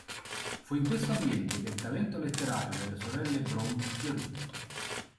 Fu in questo ambiente che il talento letterario delle sorelle Brontë fiorì.